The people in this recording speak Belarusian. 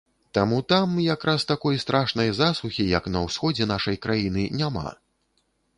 Таму там як раз такой страшнай засухі, як на ўсходзе нашай краіны, няма.